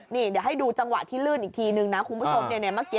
นี่เดี๋ยวให้ดูจังหวะที่ลื่นอีกทีนึงนะคุณผู้ชมเนี่ยเมื่อกี้